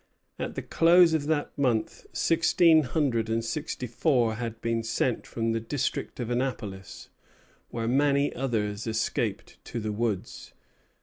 At the close of that month sixteen hundred and sixty four had been sent from the district of Annapolis, where many others escaped to the woods.